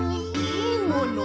いいもの？